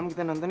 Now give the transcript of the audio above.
ngerti ya dok